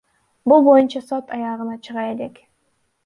Бул боюнча сот аягына чыга элек.